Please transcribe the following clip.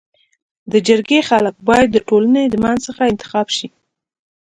د جرګي خلک بايد د ټولني د منځ څخه انتخاب سي.